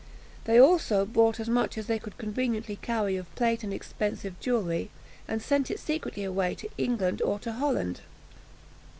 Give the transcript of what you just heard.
They also bought as much as they could conveniently carry of plate and expensive jewellery, and sent it secretly away to England or to Holland.